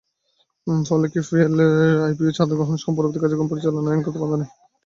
ফলে কেপিপিএলের আইপিওর চাঁদা গ্রহণসহ পরবর্তী কার্যক্রম পরিচালনায় আইনগত বাধা নেই।